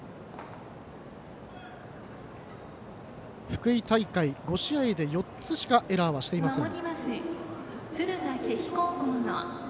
福井大会、５試合で４つしかエラーしていません。